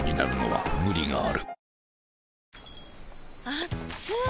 あっつい！